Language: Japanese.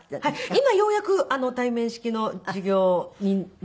今ようやく対面式の授業になりまして。